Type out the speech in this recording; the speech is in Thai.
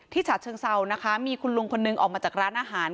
ฉะเชิงเซานะคะมีคุณลุงคนนึงออกมาจากร้านอาหาร